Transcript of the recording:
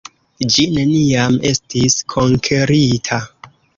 Ĝi neniam estis konkerita.